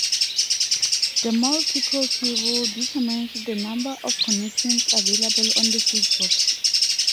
The multicore cable determines the number of connections available on the stage box.